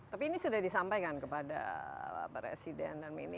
tapi ini sudah disampaikan kepada presiden dan ini